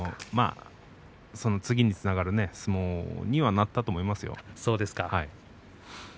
この次につながる相撲にはなったと思いますよ。